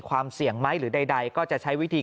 ความเสี่ยงไหมหรือใดก็จะใช้วิธี